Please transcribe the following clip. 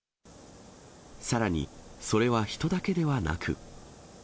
さらにそれは人だけではなく。